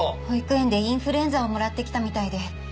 保育園でインフルエンザをもらってきたみたいで。